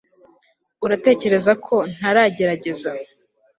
uratekereza ko ntagerageza